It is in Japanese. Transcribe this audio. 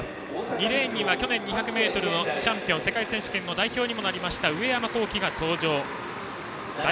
２レーンには去年２００ｍのチャンピオン世界選手権の代表にもなりました上山紘輝が登場。